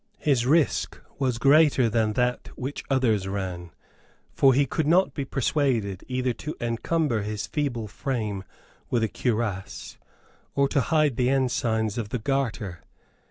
His risk was greater than that which others ran. For he could not be persuaded either to encumber his feeble frame with a cuirass, or to hide the ensigns of the garter.